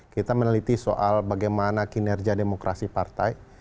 kita meneliti soal bagaimana kinerja demokrasi partai